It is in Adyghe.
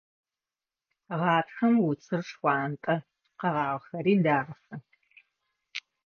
Гъатхэм уцыр шхъуантӀэ, къэгъагъэхэри дахэ.